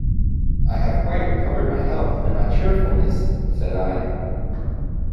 "I have quite recovered my health and my cheerfulness," said I.